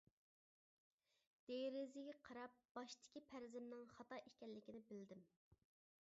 دېرىزىگە قاراپ، باشتىكى پەرىزىمنىڭ خاتا ئىكەنلىكىنى بىلدىم.